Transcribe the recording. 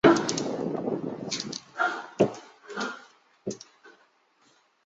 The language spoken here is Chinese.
刘图南为武进西营刘氏第十五世。